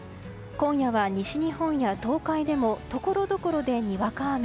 今夜は西日本や東海でもところどころでにわか雨。